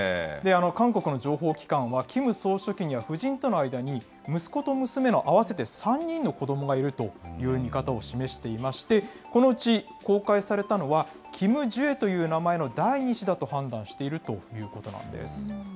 韓国の情報機関は、キム総書記には夫人との間に、息子と娘の合わせて３人の子どもがいるという見方を示していまして、このうち公開されたのは、キム・ジュエという名前の第２子だと判断しているということなんです。